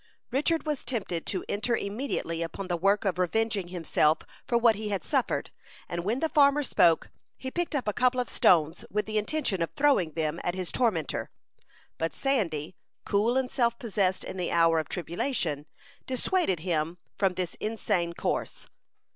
Richard was tempted to enter immediately upon the work of revenging himself for what he had suffered, and when the farmer spoke, he picked up a couple of stones, with the intention of throwing them at his tormentor; but Sandy, cool and self possessed in the hour of tribulation, dissuaded him from this insane course.